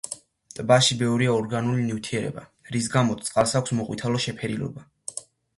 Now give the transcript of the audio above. ტბაში ბევრია ორგანული ნივთიერება, რის გამოც წყალს აქვს მოყვითალო შეფერილობა.